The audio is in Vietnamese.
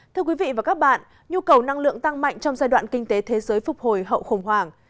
thưa quý vị và các bạn nhu cầu năng lượng tăng mạnh trong giai đoạn kinh tế thế giới phục hồi hậu khủng hoảng